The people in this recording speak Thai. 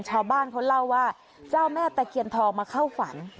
ชาวบ้านเขาเล่าว่าเจ้าแม่ตะเคียนทองมาเข้าฝัน